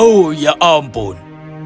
oh ya ampun